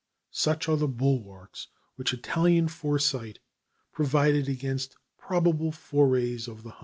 Such are the bulwarks which Italian foresight provided against probable forays of the Hun."